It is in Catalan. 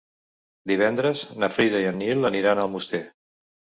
Divendres na Frida i en Nil aniran a Almoster.